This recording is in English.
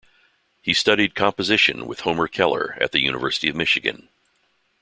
He studied composition with Homer Keller at the University of Michigan.